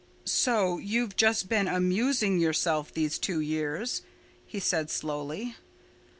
"So you've just been amusing yourself these two years?" he said slowly.